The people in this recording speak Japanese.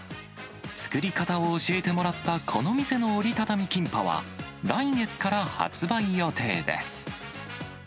作り方を教えてもらった、この店の折り畳みキンパは、来月から発売予定です。